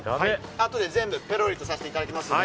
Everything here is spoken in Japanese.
あとで全部ぺろりとさせていただきますので。